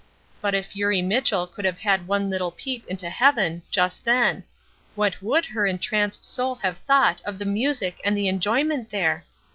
But if Eurie Mitchell could have had one little peep into heaven just then what would her entranced soul have thought of the music and the enjoyment there?